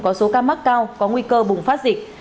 có số ca mắc cao có nguy cơ bùng phát dịch